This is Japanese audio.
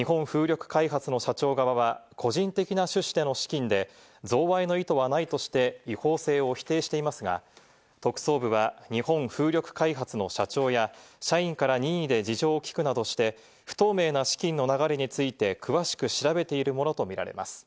日本風力開発の社長側は個人的な趣旨での資金で贈賄の意図はないとして、違法性を否定していますが、特捜部は日本風力開発の社長や、社員から任意で事情を聞くなどして、不透明な資金の流れについて詳しく調べているものと見られます。